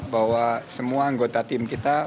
bahwa semua anggota tim kita